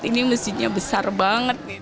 ini mesinnya besar banget